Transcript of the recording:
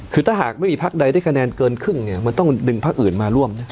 คือถ้าหากไม่มีพักใดได้คะแนนเกินครึ่งเนี่ยมันต้องดึงพักอื่นมาร่วมนะ